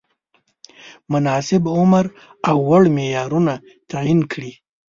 مناسب عمر او وړ معیارونه تعین کړي.